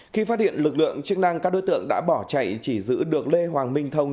khi phát hiện lực lượng chức năng các đối tượng đã bỏ chạy chỉ giữ được lê hoàng minh thông